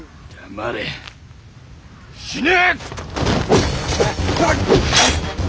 黙れ死ね！